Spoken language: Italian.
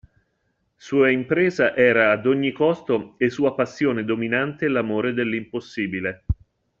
Sua impresa era ad ogni costo e sua passione dominante l'amore dell'impossibile.